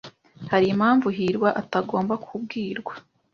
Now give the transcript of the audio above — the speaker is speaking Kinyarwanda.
Hari impamvu hirwa atagomba kubwirwa?